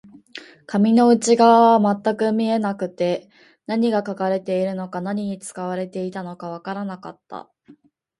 紙の内側は全く見えなくて、何が書かれているのか、何に使われていたのかわからなかった